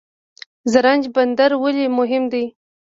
زرنج بندر ولې مهم دی؟